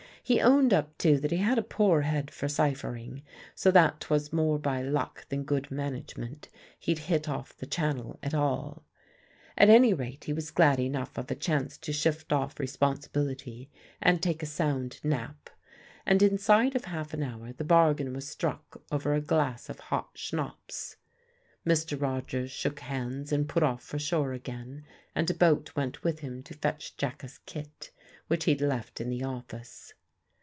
He owned up, too, that he had a poor head for ciphering, so that 'twas more by luck than good management he'd hit off the Channel at all. At any rate he was glad enough of a chance to shift off responsibility and take a sound nap, and inside of half an hour the bargain was struck over a glass of hot schnapps. Mr. Rogers shook hands and put off for shore again, and a boat went with him to fetch Jacka's kit, which he'd left in the office.